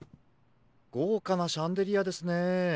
ごうかなシャンデリアですねえ。